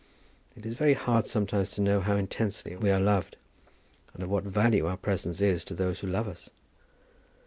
It is very hard sometimes to know how intensely we are loved, and of what value our presence is to those who love us!